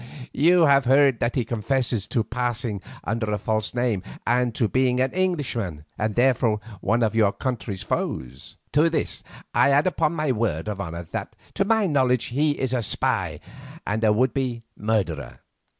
You have heard that he confesses to passing under a false name and to being an Englishman, and therefore one of our country's foes. To this I add upon my word of honour that to my knowledge he is a spy and a would be murderer.